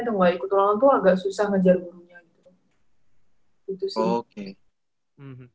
atau gak ikut ulangan tuh agak susah ngejar gurunya gitu